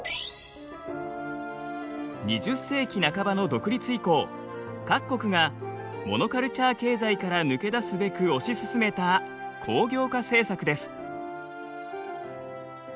２０世紀半ばの独立以降各国がモノカルチャー経済から抜け出すべく推し進めた工業化政策です。